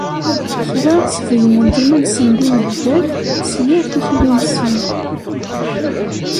Kra sbeyynen-d iman-nsen d imehbal, s yir tikli-nsen.